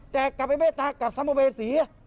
แต่กลับไปเมตตากับสัมภเวษี